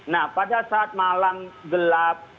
nah pada saat malam gelap